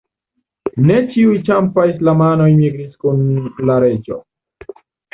Ne ĉiuj Ĉampa-islamanoj migris kun la reĝo.